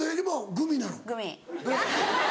グミ。